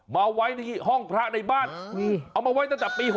มาไว้ในห้องพระในบ้านเอามาไว้ตั้งแต่ปี๖๐